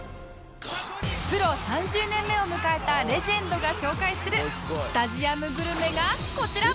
プロ３０年目を迎えたレジェンドが紹介するスタジアムグルメがこちら！